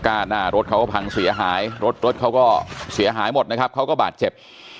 หน้ารถเขาก็พังเสียหายรถรถเขาก็เสียหายหมดนะครับเขาก็บาดเจ็บ